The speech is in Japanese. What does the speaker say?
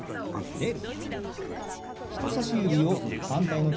「出る」。